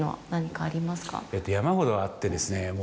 山ほどあってですね。